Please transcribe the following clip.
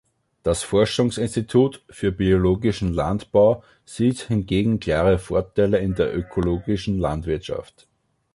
Das Forschungsinstitut für biologischen Landbau sieht hingegen klare Vorteile in der ökologischen Landwirtschaft.